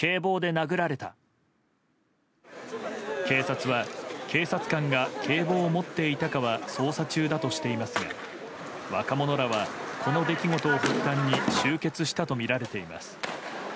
警察は、警察官が警棒を持っていたかは捜査中だとしていますが若者らはこの出来事を発端に集結したとみられています。